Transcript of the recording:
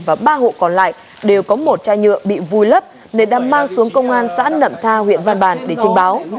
và ba hộ còn lại đều có một chai nhựa bị vùi lấp nên đã mang xuống công an xã nậm tha huyện văn bàn để trình báo